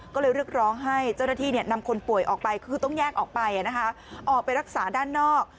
ก็เลยเรียกร้องให้เจ้าหน้าที่นำคนป่วยออกไปคือต้องแยกออกไปออกไปรักษาด้านนอก